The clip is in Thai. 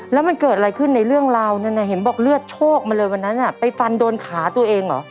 แล้วมันเกิดอะไรขึ้นในเรื่องราวนั้นเห็นบอกเลือดโชคมาเลยวันนั้นไปฟันโดนขาตัวเองเหรอ